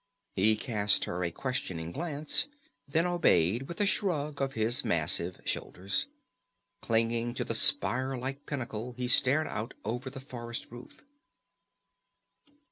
He cast her a questioning glance, then obeyed with a shrug of his massive shoulders. Clinging to the spire like pinnacle, he stared out over the forest roof.